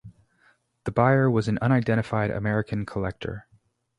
The buyer was an unidentified American collector.